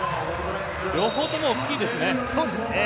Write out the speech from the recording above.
両方とも大きいですね。